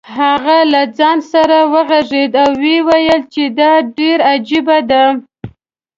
هغه له ځان سره وغږېد او ویې ویل چې دا ډېره عجیبه ده.